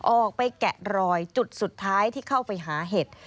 แกะรอยจุดสุดท้ายที่เข้าไปหาเห็ด